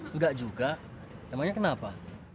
enggak juga namanya kenapa